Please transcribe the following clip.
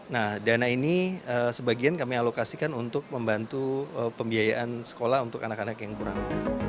nah dana ini sebagian kami alokasikan untuk membantu pembiayaan sekolah untuk anak anak yang kurang